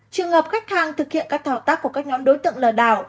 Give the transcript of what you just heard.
trường hợp khách hàng thực hiện các thỏa tác của các nhóm đối tượng lừa đảo